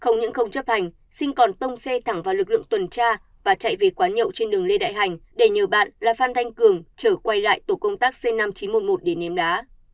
không những không chấp hành sinh còn tông xe thẳng vào lực lượng tuần tra và chạy về quán nhậu trên đường lê đại hành để nhờ bạn là phan thanh cường chở quay lại tổ công tác c năm nghìn chín trăm một mươi một để ném đá